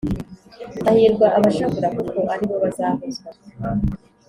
“hahirwa abashavura, kuko ari bo bazahozwa